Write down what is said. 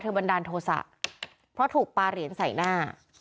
บันดาลโทษะเพราะถูกปลาเหรียญใส่หน้า